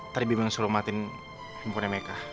tadi bimu yang suruh matiin handphonenya mereka